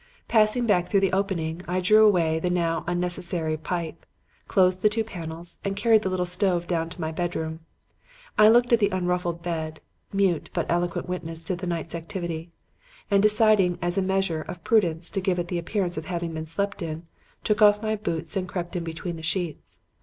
"Passing back through the opening, I drew away the now unnecessary pipe, closed the two panels, and carried the little stove down to my bedroom. I looked at the unruffled bed mute but eloquent witness to the night's activity and deciding as a measure of prudence to give it the appearance of having been slept in, took off my boots and crept in between the sheets.